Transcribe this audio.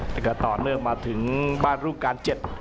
แต่ก็ต่อเนื่องมาถึงบ้านลูกการ๗